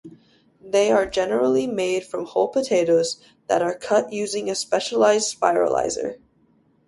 They are generally made from whole potatoes that are cut using a specialized spiralizer.